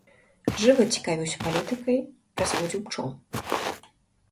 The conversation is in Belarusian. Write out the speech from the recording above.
Жыва цікавіўся палітыкай, разводзіў пчол.